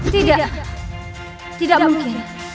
tidak tidak mungkin